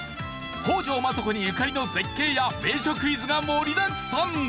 北条政子にゆかりの絶景や名所クイズが盛りだくさん！